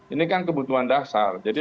ini kan kebutuhan dasar jadi